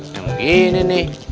yang ini nih